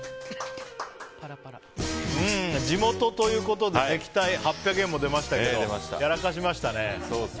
地元ということで８００円も出ましたけどやらかしましたね。